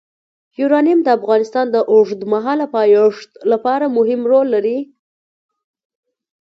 یورانیم د افغانستان د اوږدمهاله پایښت لپاره مهم رول لري.